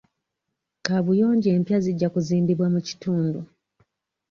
Kabuyonjo empya zijja kuzimbibwa mu kitundu.